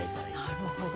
なるほど。